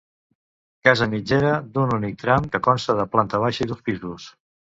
Casa mitgera d'un únic tram que consta de planta baixa i dos pisos.